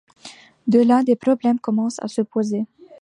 De là, des problèmes commencent à se poser.